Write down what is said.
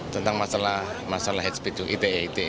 tentang masalah h p i t e